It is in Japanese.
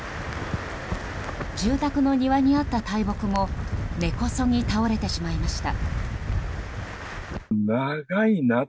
住宅の庭にあった大木も根こそぎ倒れてしまいました。